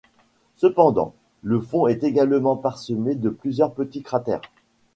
Cependant le fond est également parsemé de plusieurs petits cratères.